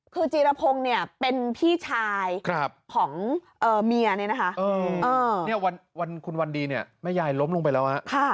คือจีรพงศ์เนี่ยเป็นพี่ชายของเมียเนี่ยนะคะวันคุณวันดีเนี่ยแม่ยายล้มลงไปแล้วฮะ